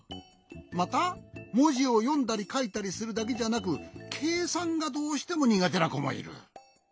またもじをよんだりかいたりするだけじゃなくけいさんがどうしてもにがてなこもいる。